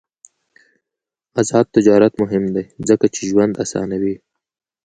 آزاد تجارت مهم دی ځکه چې ژوند اسانوي.